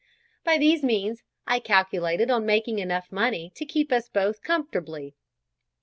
By these means I calculated on making enough money to keep us both comfortably.